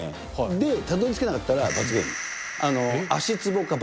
で、たどりつけなかったら罰ゲーム。